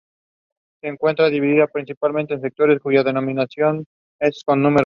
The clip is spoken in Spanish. Se encuentra divida principalmente en sectores cuya denominación es con números.